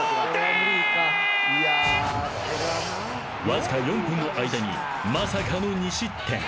［わずか４分の間にまさかの２失点］